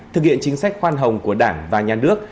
thực hiện chính sách khoan hồng của đảng và nhà nước